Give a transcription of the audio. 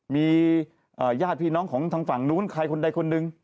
มีญาติพี่น้องของทางฝั่งนู้นใครคนใดคนหนึ่ง